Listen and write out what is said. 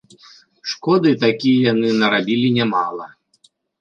Шкоды такі яны нарабілі нямала.